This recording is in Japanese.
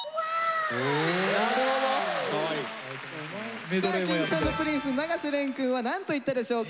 俺さあＫｉｎｇ＆Ｐｒｉｎｃｅ永瀬廉くんはなんと言ったでしょうか？